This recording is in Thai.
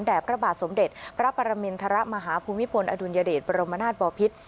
พระบาทสมเด็จพระปรมินทรมาฮภูมิพลอดุลยเดชบรมนาศบอพิษ